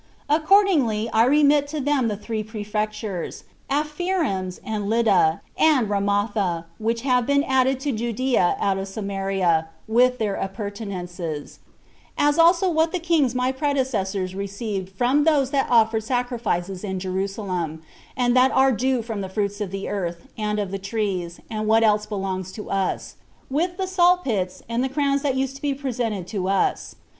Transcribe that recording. Accordingly, I remit to them the three prefectures, Apherims, and Lydda, and Ramatha, which have been added to Judea out of Samaria, with their appurtenances; as also what the kings my predecessors received from those that offered sacrifices in Jerusalem, and what are due from the fruits of the earth, and of the trees, and what else belongs to us; with the salt pits, and the crowns that used to be presented to us.